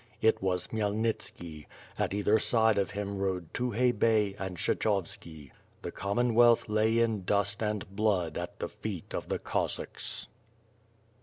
It was Khmyelnitski. At either side of him rode Tukhay Bey and Kshechovski. The C^ommonwealth lay in dust and blood at the feet of the Cossacki!